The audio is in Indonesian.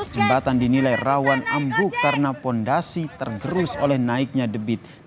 jembatan dinilai rawan ambu karena fondasi tergerus oleh naiknya debit